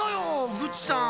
グッチさん。